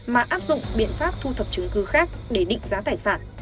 mà áp dụng biện pháp thu thập chứng cứ khác để định giá tài sản